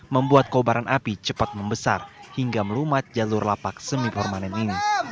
membuat kobaran api cepat membesar hingga melumat jalur lapak semi permanen ini